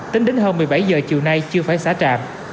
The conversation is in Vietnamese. tính đến hơn một mươi bảy giờ chiều nay chưa phải xá trạm